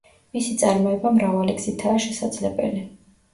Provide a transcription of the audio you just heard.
მისი წარმოება მრავალი გზითაა შესაძლებელი.